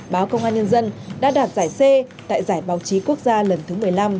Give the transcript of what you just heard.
báo công an nhân dân đã đạt giải c tại giải báo chí quốc gia lần thứ một mươi năm